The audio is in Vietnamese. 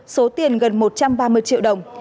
số tiền gần một trăm ba mươi triệu đồng